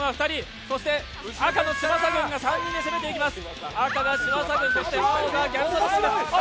赤の嶋佐軍が３人で攻めていきます。